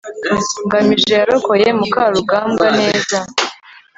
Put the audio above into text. ngamije yarokoye mukarugambwa neza